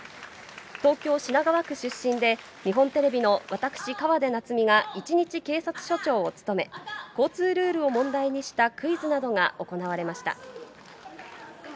東京・品川区出身で、日本テレビの私、河出奈都美が一日警察署長を務め、交通ルールを問題にしたクイズなどが行われました。